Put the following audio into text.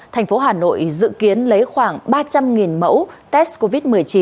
thành phố hà nội dự kiến lấy khoảng ba trăm linh mẫu test covid một mươi chín